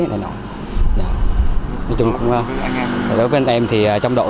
đối với anh em thì trong đội